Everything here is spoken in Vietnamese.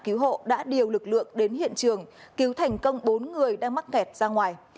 cứu hộ đã điều lực lượng đến hiện trường cứu thành công bốn người đang mắc kẹt ra ngoài